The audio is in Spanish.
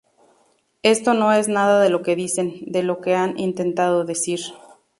Esto no es nada de lo que dicen, de lo que han intentado decir".